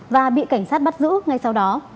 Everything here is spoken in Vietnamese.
và bị cảnh sát bắt giữ ngay sau đó